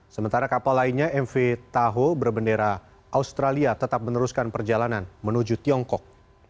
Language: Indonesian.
sementara kapal lainnya mv taho berbendera australia tetap meneruskan perjalanan menuju tiongkok